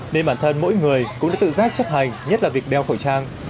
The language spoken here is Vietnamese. nên bản thân mỗi người cũng đã tự giác chấp hành nhất là việc đeo khẩu trang